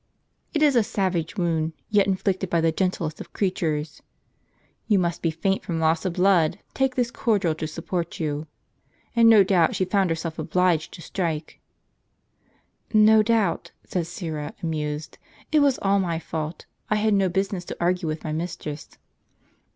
It is a savage wound, yet inflicted by the gentlest of creatures ! (You must be faint from loss of blood ; take this cordial to support you) : and no doubt she found herself obliged to strike." "No doubt," said Syra, amused, "it was all my fault; I had no business to argue with my mistress."